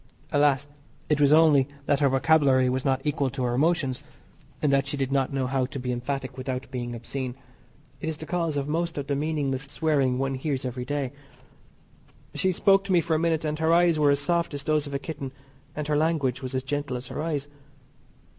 Alas, it was only that her vocabulary was not equal to her emotions, and she did not know how to be emphatic without being obscene it is the cause of most of the meaningless swearing one hears every day. She spoke to me for a minute, and her eyes were as soft as those of a kitten and her language was as gentle as her eyes.